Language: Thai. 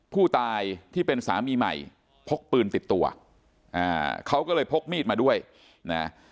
ผู้ตายที่เป็นสามีใหม่พกปืนติดตัวอ่าเขาก็เลยพกมีดมาด้วยนะ